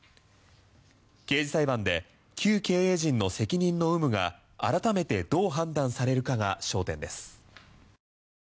刑事裁判で旧経営陣の責任の有無が改めてどう判断されるかが焦点です。